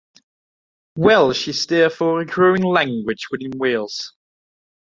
Welsh is therefore a growing language within Wales.